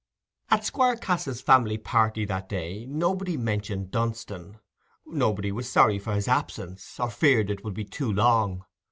At Squire Cass's family party that day nobody mentioned Dunstan—nobody was sorry for his absence, or feared it would be too long.